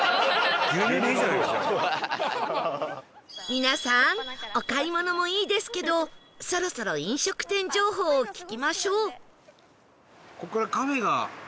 皆さんお買い物もいいですけどそろそろ飲食店情報を聞きましょう